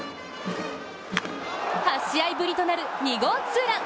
８試合ぶりとなる２号ツーラン。